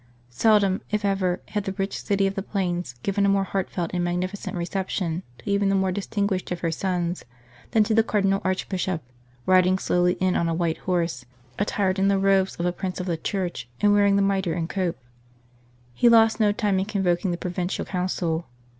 Seldom, if ever, had the rich City of the Plains given a more heartfelt and magnificent reception to even the most distinguished of her sons than to the Cardinal Archbishop, riding slowly in on a white horse, attired in the robes of a Prince of the Church, and wearing the mitre and cope. He lost no time in convoking the Provincial Council.